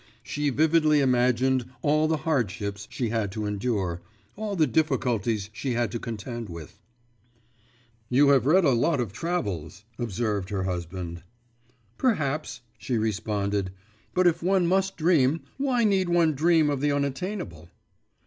She vividly imagined all the hardships she had to endure, all the difficulties she had to contend with.… 'You have read a lot of travels,' observed her husband. 'Perhaps,' she responded; 'but if one must dream, why need one dream of the unattainable?